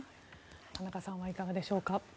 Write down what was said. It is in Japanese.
田中さんはいかがでしょうか。